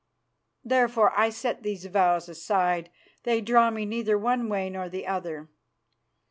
Therefore I set these vows aside; they draw me neither one way nor the other.